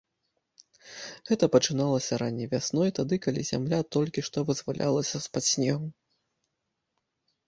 Гэта пачыналася ранняй вясной, тады, калі зямля толькі што вызвалялася з-пад снегу.